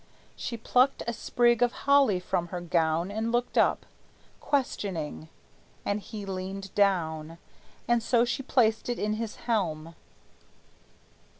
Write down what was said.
She plucked a sprig of holly from her gown And looked up, questioning; and he leaned down, And so she placed it in his helm.